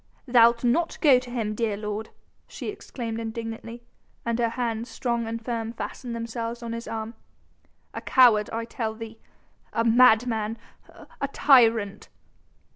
"Thou'lt not go to him, dear lord," she exclaimed indignantly, and her hands, strong and firm, fastened themselves on his arm. "A coward, I tell thee ... a madman ... a tyrant